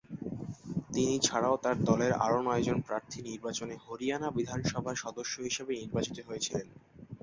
তিনি ছাড়াও তার দলের আরো নয়জন প্রার্থী নির্বাচনে হরিয়ানা বিধানসভার সদস্য হিসেবে নির্বাচিত হয়েছিলেন।